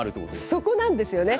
そこなんですよね。